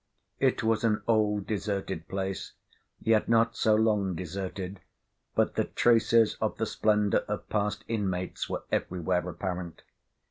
It was an old deserted place, yet not so long deserted but that traces of the splendour of past inmates were everywhere apparent.